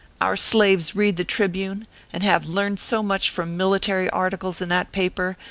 Our slaves read the Tribune, and have learned so much from military articles in that paper ORPHEUS C. KERR PAPERS.